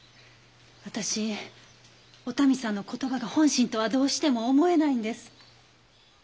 私お民さんの言葉が本心とはどうしても思えないんです。